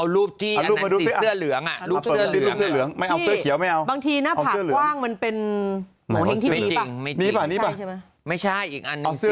แล้วอะไรอีก